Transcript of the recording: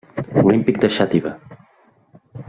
Olímpic de Xàtiva.